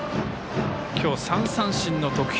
今日、３三振の徳弘。